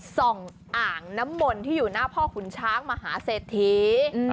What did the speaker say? อ่างอ่างน้ำมนที่อยู่หน้าพ่อขุนช้างมหาเศรษฐี